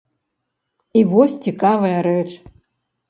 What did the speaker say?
І вось цікавая рэч.